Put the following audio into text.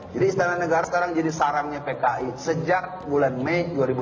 jadi istana negara sekarang jadi sarangnya pki sejak bulan mei dua ribu enam belas